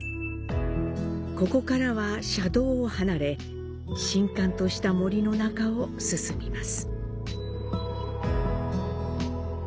ここからは車道を離れ、森閑とした森の中を進みます。